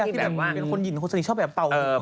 เป็นคนหยินคนสนิทชอบแบบเป่าหู